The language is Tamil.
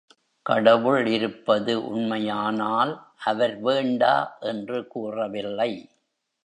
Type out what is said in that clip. கடவுள் இருப்பது உண்மையானால், அவர் வேண்டா என்று கூறவில்லை.